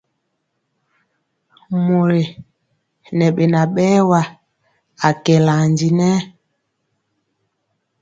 Mori ŋɛ beŋa berwa, akɛla ndi nɛ.